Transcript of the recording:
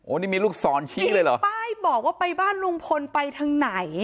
นี่มีลูกศรชี้เลยเหรอป้ายบอกว่าไปบ้านลุงพลไปทางไหน